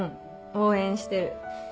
応援してる。